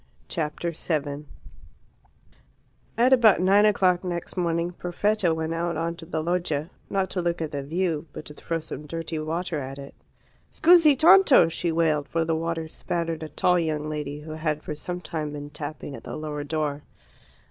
Chapter 7 At about nine o'clock next morning Perfetta went out on to the loggia, not to look at the view, but to throw some dirty water at it. "Scusi tanto!" she wailed, for the water spattered a tall young lady who had for some time been tapping at the lower door.